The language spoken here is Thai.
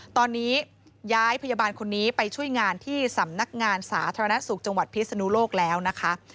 ตอนนี้ย้ายพยาบาลคนนี้ไปช่วยงานที่สำนักงานสาธารณสุขจังหวัดพิศนุโลกแล้วนะคะ